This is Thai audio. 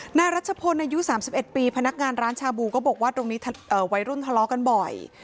นายรัชพลอายุ๓๑ปีพนักงานร้านชาบูก็บอกว่าตรงนี้วัยรุ่นทะเลาะกันบ่อย